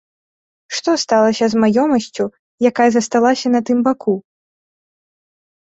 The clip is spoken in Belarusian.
Што сталася з маёмасцю, якая засталася на тым баку?